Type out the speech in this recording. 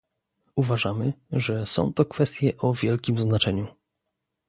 Uważamy, że są to kwestie o wielkim znaczeniu